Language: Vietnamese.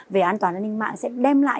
về an toàn an ninh mạng sẽ đem lại